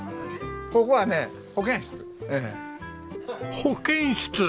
ここはね保健室！